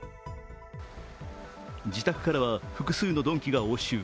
自宅からは、複数の鈍器が押収。